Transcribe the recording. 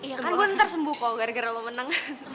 iya kan gue ntar sembuh kok gara gara lo menang